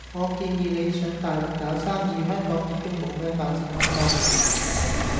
我建議你上大陸搞生意，香港已經冇咩發展空間喇。